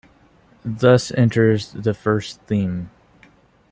Thus enters the first theme.